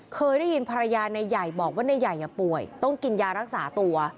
เคยได้ยินภรรยานายใหญ่บอกว่านายใหญ่ป่วยต้องกินยารักษาตัว